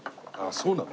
そうなの？